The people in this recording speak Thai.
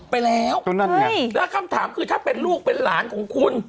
ไปแล้วนั่นไงแล้วคำถามคือถ้าเป็นลูกเป็นหลานของคุณ